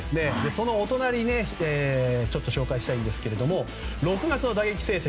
その隣、紹介したいんですが６月の打席成績